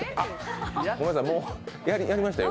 ごめんなさい、もうやりました。